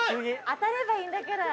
当たればいいんだから」